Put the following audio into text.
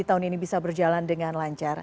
tahun ini bisa berjalan dengan lancar